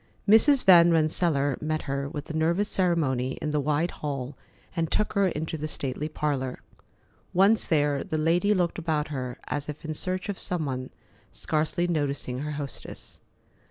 Mrs. Van Rensselaer met her with nervous ceremony in the wide hall and took her into the stately parlor. Once there, the lady looked about her as if in search of some one, scarcely noticing her hostess.